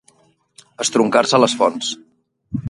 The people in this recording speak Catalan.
Estroncar-se les fonts.